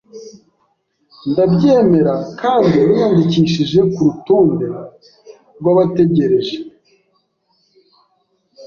ndabyemera kandi niyandikishije kurutonde rwabategereje